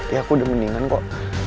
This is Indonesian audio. ya aku udah mendingan kok